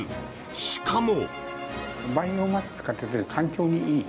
しかも。